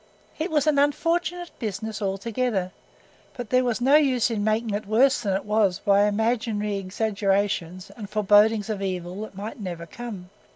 It was an unfortunate business altogether, but there was no use in making it worse than it was by imaginary exaggerations and forebodings of evil that might never come.